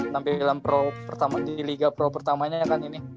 tampilan pro pertama di liga pro pertamanya kan ini